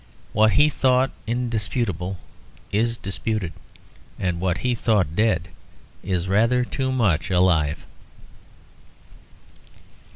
What he thought indisputable is disputed; and what he thought dead is rather too much alive.